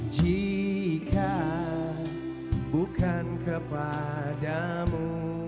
jika bukan kepadamu